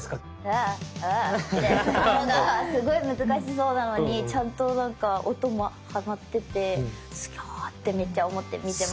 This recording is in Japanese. あぁああぁあってところがすごい難しそうなのにちゃんとなんか音もはまっててすごーってめっちゃ思って見てました。